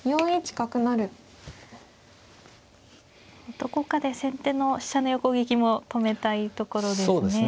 どこかで先手の飛車の横利きも止めたいところですね。